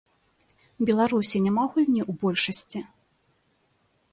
Беларусі няма гульні ў большасці?